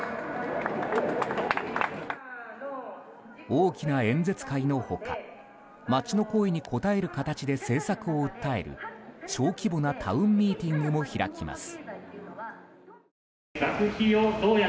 大きな演説会の他街の声に答える形で政策を訴える、小規模なタウンミーティングも開きます。